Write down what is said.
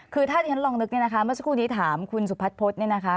คือถ้าที่ฉันลองนึกนะคะเมื่อสักครู่ดีถามคุณสุภัฏพรรดินะคะ